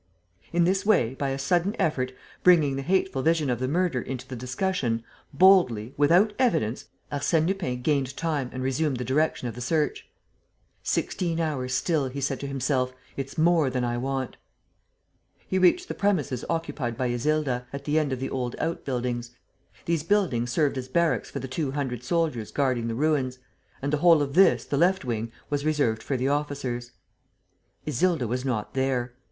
In this way, by a sudden effort, bringing the hateful vision of the murder into the discussion, boldly, without evidence, Arsène Lupin gained time and resumed the direction of the search: "Sixteen hours still," he said to himself, "it's more than I want." He reached the premises occupied by Isilda, at the end of the old out buildings. These buildings served as barracks for the two hundred soldiers guarding the ruins; and the whole of this, the left wing, was reserved for the officers. Isilda was not there.